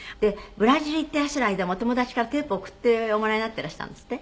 ブラジル行っていらっしゃる間もお友達からテープ送っておもらいになっていらしたんですって？